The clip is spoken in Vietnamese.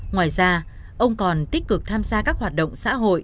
ngoài ra ông còn tích cực tham gia các hoạt động xã hội